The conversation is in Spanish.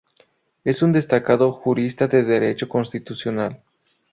Es un destacado jurista de Derecho Constitucional.